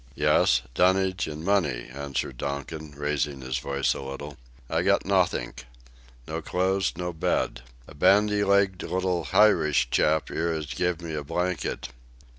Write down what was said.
"Yes, dunnage and money," answered Donkin, raising his voice a little; "I got nothink. No clothes, no bed. A bandy legged little Hirish chap 'ere 'as give me a blanket.